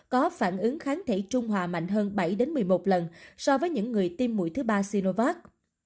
có phản ứng kháng thể trung hòa mạnh hơn bảy một mươi một lần so với những người tiêm mũi thứ ba sinovat